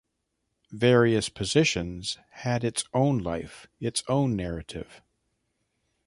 "Various Positions" had its own life, its own narrative.